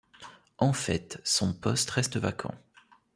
En fait, son poste reste vacant.